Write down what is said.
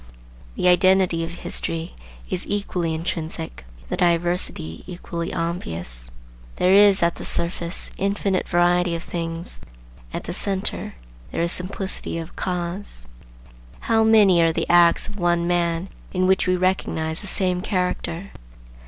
The identity of history is equally intrinsic, the diversity equally obvious. There is, at the surface, infinite variety of things; at the centre there is simplicity of cause. How many are the acts of one man in which we recognize the same character!